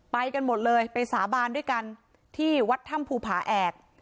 ไปกันหมดเลยไปสาบานด้วยกันที่วัดถ้ำภูผาแอก